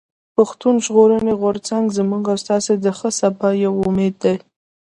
پښتون ژغورني غورځنګ زموږ او ستاسو د ښه سبا يو امېد دی.